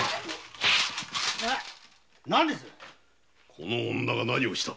この女が何をした？